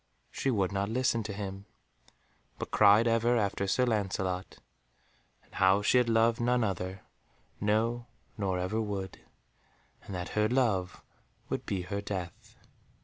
She would not listen to him, but cried ever after Sir Lancelot, and how she had loved none other, no, nor ever would, and that her love would be her death.